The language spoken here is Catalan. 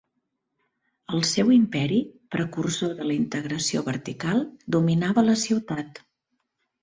El seu imperi, precursor de la integració vertical, dominava la ciutat.